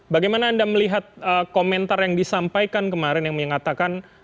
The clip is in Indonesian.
bagaimana anda melihat komentar yang disampaikan kemarin yang mengatakan